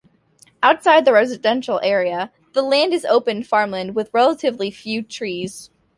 Outside the residential area the land is open farmland, with relatively few trees.